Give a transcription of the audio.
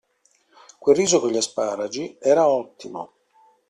Questo riso con gli asparagi era ottimo